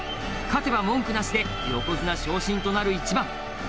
勝てば文句なしで横綱昇進となる一番。